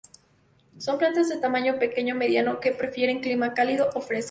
Son plantas de tamaño pequeño o mediano que prefieren clima cálido a fresco.